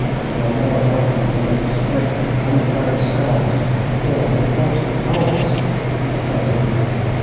'You are more likely to make straight for the underground cells, or for the Portsmouth hulks,' said he.